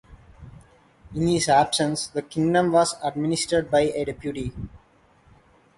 In his absence, the kingdom was administered by a deputy.